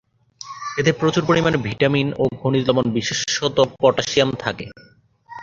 এতে প্রচুর পরিমাণে ভিটামিন ও খনিজ লবণ, বিশেষত পটাশিয়াম থাকে।